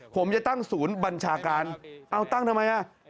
ผมจะตั้งศูนย์บัญชาการเอาตั้งทำไมอ่ะ